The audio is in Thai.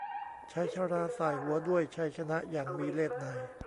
ชายชราส่ายหัวด้วยชัยชนะอย่างมีเลศนัย